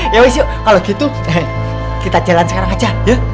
yowis yuk kalau gitu kita jalan sekarang aja